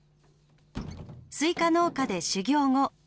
スイカ農家で修業後独立。